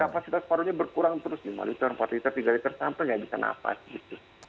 kapasitas parunya berkurang terus lima liter empat liter tiga liter sampel nggak bisa nafas gitu